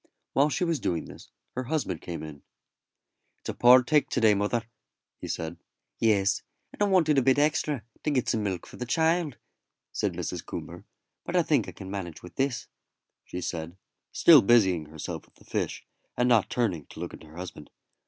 While she was doing this her husband came in. "It's a poor take to day, mother," he said. "Yes, and I wanted a bit extra, to get some milk for the child," said Mrs. Coomber; "but I think I can manage with this," she said, still busying herself with the fish, and not turning to look at her husband.